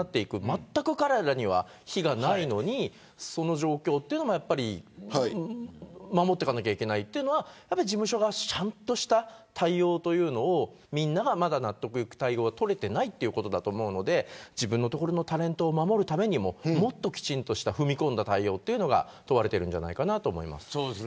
まったく彼らには非がないのにその状況は守っていかなきゃいけないというのは事務所がちゃんとした対応というのをみんなが納得いく対応が取れていないということだと思うので自分のところのタレントを守るためにも踏み込んだ対応が問われていると思います。